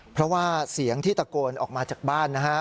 เพราะว่าเสียงที่ตะโกนออกมาจากบ้านนะฮะ